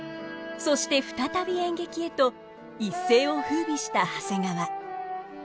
そして再び演劇へと一世を風靡した長谷川。